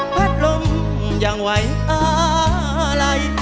พัดลมยังไหวอะไร